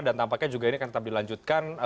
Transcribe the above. dan tampaknya juga ini akan tetap dilanjutkan